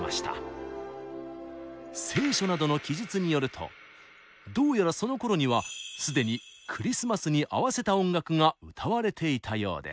「聖書」などの記述によるとどうやらそのころには既にクリスマスに合わせた音楽が歌われていたようです。